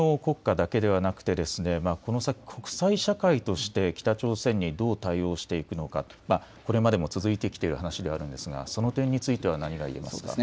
近隣の国家だけではなくこの先、国際社会として北朝鮮にどう対応していくのか、これまでも続いてきている話ではありますがその点については何が言えますか。